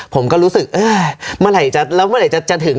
ผมก็รู้สึกเอ้ยแล้วเมื่อไหร่จะถึง